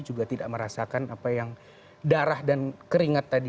juga tidak merasakan apa yang darah dan keringat tadi